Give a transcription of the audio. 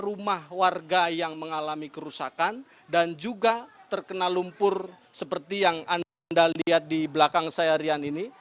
rumah warga yang mengalami kerusakan dan juga terkena lumpur seperti yang anda lihat di belakang saya rian ini